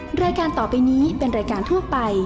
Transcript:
รายการต่อไปนี้เป็นรายการทั่วไป